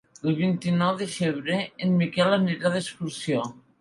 El vint-i-nou de febrer en Miquel anirà d'excursió.